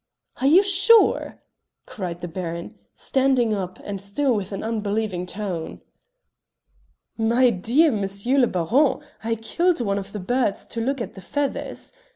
"Are you sure?" cried the Baron, standing up, and still with an unbelieving tone. "My dear M. le Baron, I killed one of the birds to look at the feathers.